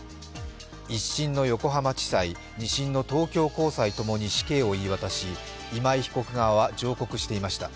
１審の横浜地裁、２審の東京高裁ともに死刑を言い渡し今井被告側は上告していました。